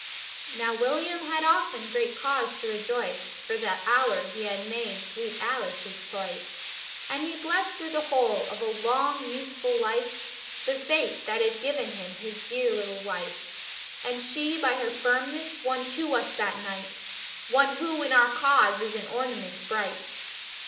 Now, William had often great cause to rejoice For the hour he had made sweet Alice his choice; And he blessed through the whole of a long, useful life, The fate that had given him his dear little wife. And she, by her firmness, won to us that night One who in our cause is an ornament bright.